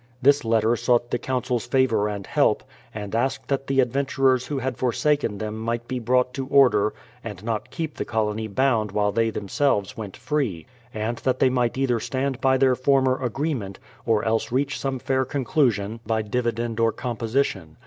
This letter sought the Council's favour and help, and asked that the adventurers who had forsaken them might be brought to order and not keep the colony bound while they themselves went free ; and that they might either stand by their former agreement, or else reach some fair conclusion by dividend or composition.